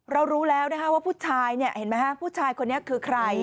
รู้แล้วนะคะว่าผู้ชายเนี่ยเห็นไหมฮะผู้ชายคนนี้คือใคร